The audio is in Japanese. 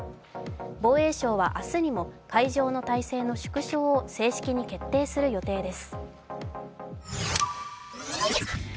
防衛省は、明日にも会場の体制の縮小を正式に決定する予定です。